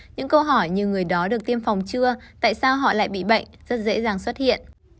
những câu hỏi như người đó được tiêm phòng chưa tại sao họ lại bị bệnh rất dễ dàng xuất hiện